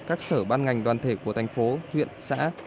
các sở ban ngành đoàn thể của thành phố huyện xã